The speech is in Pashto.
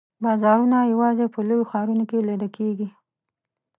بازارونه یوازي په لویو ښارونو کې لیده کیږي.